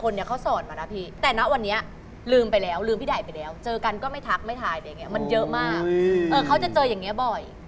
ลงไปเรื่อยอย่างเงี้ย